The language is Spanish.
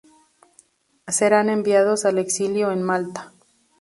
Serán enviados al exilio en Malta.